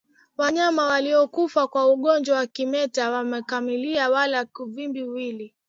Wanyama waliokufa kwa ugonjwa wa kimeta hawakakamai wala kuvimba mwili